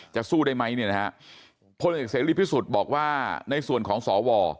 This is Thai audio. สู้ได้ไหมเนี่ยนะฮะพลเอกเสรีพิสุทธิ์บอกว่าในส่วนของสว